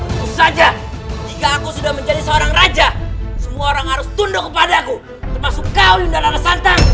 tentu saja jika aku sudah menjadi seorang raja semua orang harus tunduk kepada aku termasuk kaum dan anak santang